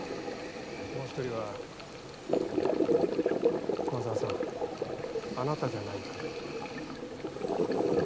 もうひとりは熊沢さんあなたじゃないかと。